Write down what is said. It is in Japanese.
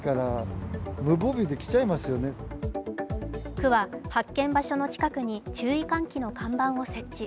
区は発見場所の近くに注意喚起の看板を設置。